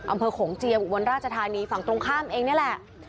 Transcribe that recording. โขงเจียมอุบลราชธานีฝั่งตรงข้ามเองนี่แหละ